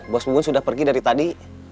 bos mun sudah pergi dari tadi